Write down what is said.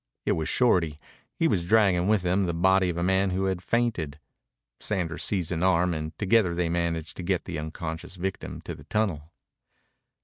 It was Shorty. He was dragging with him the body of a man who had fainted. Sanders seized an arm and together they managed to get the unconscious victim to the tunnel.